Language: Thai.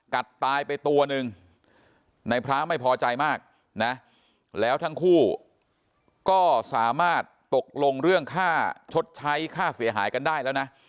ตายไปตัวหนึ่งในพระไม่พอใจมากนะแล้วทั้งคู่ก็สามารถตกลงเรื่องค่าชดใช้ค่าเสียหายกันได้แล้วนะ